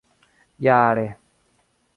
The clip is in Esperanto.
jare